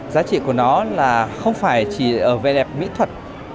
giá trị của nó là không phải chỉ ở vẻ đẹp mỹ thuật